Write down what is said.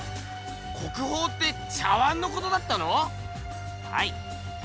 国宝って茶碗のことだったの⁉はい。